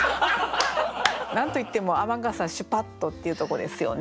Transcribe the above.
何と言っても「雨傘シュパッと」っていうとこですよね。